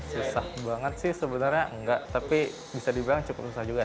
susah banget sih sebenarnya enggak tapi bisa dibilang cukup susah juga